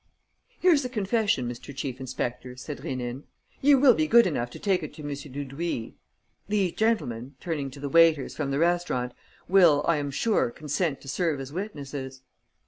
"Here's the confession, Mr. Chief inspector," said Rénine. "You will be good enough to take it to M. Dudouis. These gentlemen," turning to the waiters, from the restaurant, "will, I am sure, consent to serve as witnesses."